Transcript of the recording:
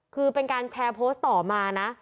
คือเป็นการแชร์โพสต์ต่อมานะ